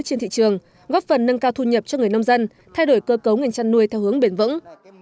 trên thị trường góp phần nâng cao thu nhập cho người nông dân thay đổi cơ cấu ngành chăn nuôi theo hướng bền vững